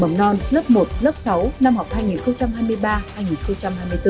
mầm non lớp một lớp sáu năm học hai nghìn hai mươi ba hai nghìn hai mươi bốn